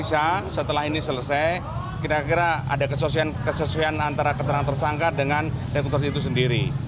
setelah ini selesai kira kira ada kesesuaian antara keterangan tersangka dengan rekonstruksi itu sendiri